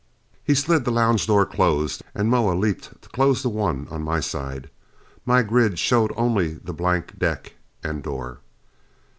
He slid the lounge door closed, and Moa leaped to close the one on my side. My grid showed only the blank deck and door.